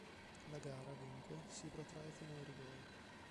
La gara, dunque, si protrae fino ai rigori.